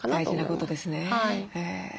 大事なことですね。